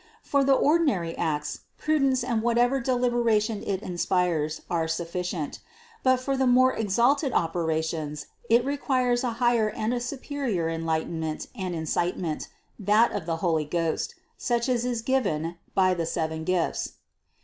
For the ordinary acts, prudence and whatever deliberation it in spires, are sufficient ; but for the more exalted operations it requires a higher and a superior enlightenment and in citement, that of the Holy Ghost, such as is given by the seven gifts.